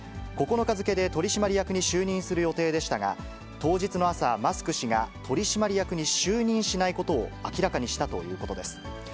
９日付で取締役に就任する予定でしたが、当日の朝、マスク氏が取締役に就任しないことを明らかにしたということです。